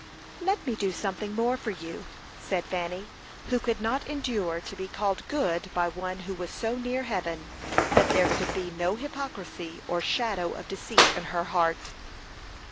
"Let me do something more for you," said Fanny, who could not endure to be called good by one who was so near heaven that there could be no hypocrisy or shadow of deceit in her heart.